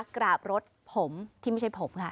กราบรถผมที่ไม่ใช่ผมค่ะ